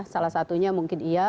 salah satunya mungkin iya